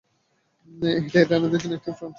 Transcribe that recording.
এটি ইরানীদের জন্য একটি ফ্রন্ট।